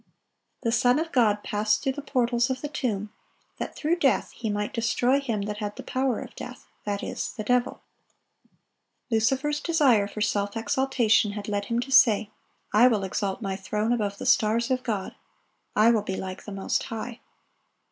The Son of God passed through the portals of the tomb, that "through death He might destroy him that had the power of death, that is, the devil."(887) Lucifer's desire for self exaltation had led him to say, "I will exalt my throne above the stars of God: ... I will be like the Most High."